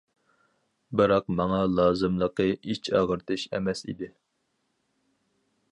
بىراق ماڭا لازىملىقى ئىچ ئاغرىتىش ئەمەس ئىدى.